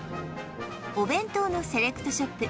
お弁当のセレクトショップ